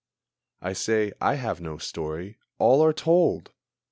I say I have no story all are told!